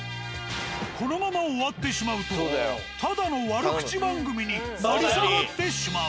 このまま終わってしまうとただの悪口番組に成り下がってしまう。